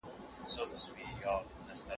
د کرویاتو جوړښت د بدن لپاره مهم دی.